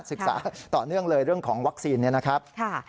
ศึกษาต่อเนื่องเลยเรื่องของวัคซีนเนี่ยนะครับ